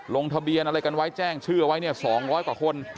ลงทะเบียนอะไรกันไว้แจ้งชื่อเอาไว้เนี่ย๒๐๐กว่าคน